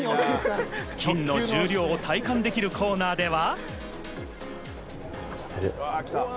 金の重量を体感できるコーナーでは。